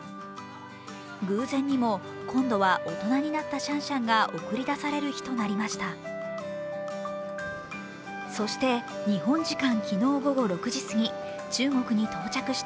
偶然にも今度は、大人になったシャンシャンが送り出される日となりました。